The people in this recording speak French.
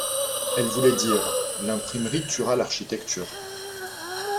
Elle voulait dire: L’imprimerie tuera l’architecture.